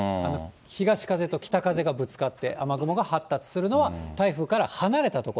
東風と北風がぶつかって雨雲が発達するのは台風から離れた所。